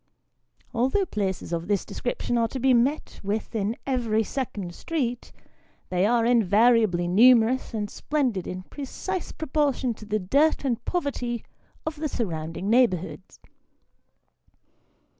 Although places of this description are to be met with in every second street, they are in variably numerous and splendid in precise proportion to the dirt and poverty of the surrounding neighbourhood.